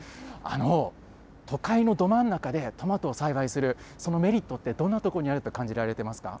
都会のど真ん中でトマトを栽培する、そのメリットってどんなところにあると感じられてますか。